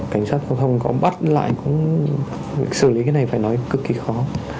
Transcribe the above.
cảnh sát giao thông có bắt lại cũng xử lý cái này phải nói cực kỳ khó